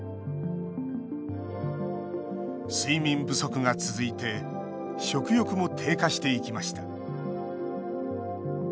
睡眠不足が続いて食欲も低下していきました。